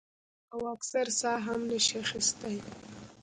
او اکثر ساه هم نشي اخستے ـ